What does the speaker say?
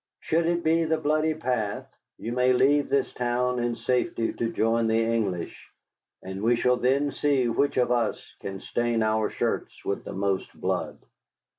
Should it be the bloody path, you may leave this town in safety to join the English, and we shall then see which of us can stain our shirts with the most blood.